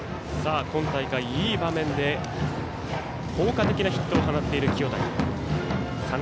今大会、いい場面で効果的なヒットを放っている清谷。